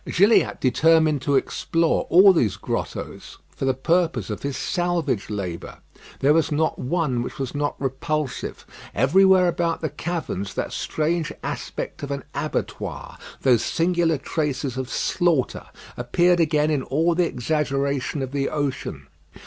Gilliatt determined to explore all these grottoes, for the purpose of his salvage labour. There was not one which was not repulsive. Everywhere about the caverns that strange aspect of an abattoir, those singular traces of slaughter, appeared again in all the exaggeration of the ocean.